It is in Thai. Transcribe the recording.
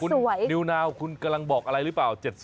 นิวนาวคุณกำลังบอกอะไรหรือเปล่า